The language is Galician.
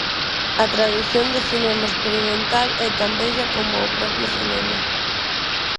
A tradición do cinema experimental é tan vella como o propio cinema.